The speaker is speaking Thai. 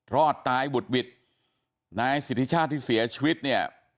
รอดตายบุดหวิดนายสิทธิชาติที่เสียชีวิตเนี่ย